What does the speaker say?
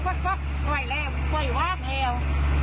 จึงแป๊บปล่อยแล้วปล่อยวับแล้ว